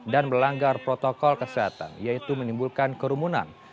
dan melanggar protokol kesehatan yaitu menimbulkan kerumunan